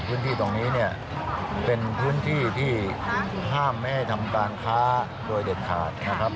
พื้นที่ตรงนี้เนี่ยเป็นพื้นที่ที่ห้ามไม่ให้ทำการค้าโดยเด็ดขาดนะครับ